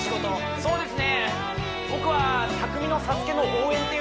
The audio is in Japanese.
そうですよね